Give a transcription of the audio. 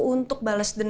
untuk balas dendam